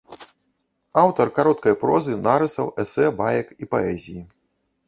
Аўтар кароткай прозы, нарысаў, эсэ, баек і паэзіі.